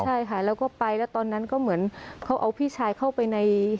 ใช่ค่ะแล้วก็ไปแล้วตอนนั้นก็เหมือนเขาเอาพี่ชายเข้าไปใน